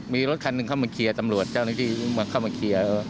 มีรถคันหนึ่งเข้ามาเคลียร์ตำรวจเจ้าหน้าที่มาเข้ามาเคลียร์